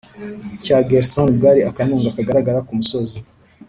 cya gersony bwari akanunga kagaragara k'umusozi